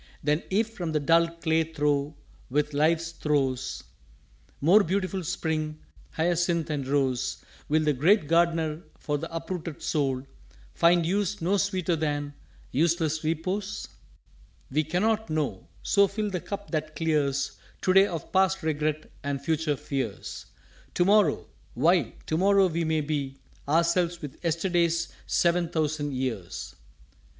_" "Then if, from the dull Clay thro' with Life's throes, More beautiful spring Hyacinth and Rose, Will the great Gardener for the uprooted soul Find Use no sweeter than useless Repose?" "_We cannot know so fill the cup that clears To day of past regret and future fears: To morrow! Why, To morrow we may be Ourselves with Yesterday's sev'n thousand Years.